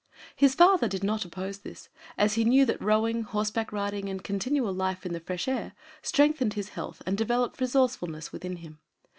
His father did not oppose this, as he knew that rowing, horseback riding, and continual life in the fresh air strengthened his health and developed resourcefulness within him.